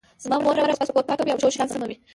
زما مور هره ورځ کور پاکوي او ټول شیان سموي